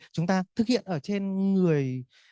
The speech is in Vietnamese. chúng ta thực hiện ở trên người